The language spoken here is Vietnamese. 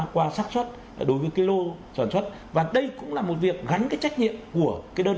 đơn vị sản xuất đối với cái lô sản xuất và đây cũng là một việc gánh cái trách nhiệm của cái đơn